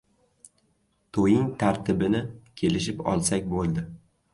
To‘ying tartibini kelishib olsak bo‘ldi.